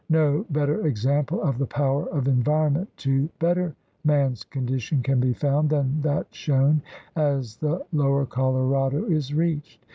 "No better example of the power of en vironment to better man's condition can be found than that shown as the lower Colorado is reached.